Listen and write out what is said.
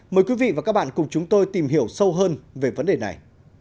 mời quý vị và các bạn cùng chúng tôi tìm hiểu sâu hơn về vấn đề này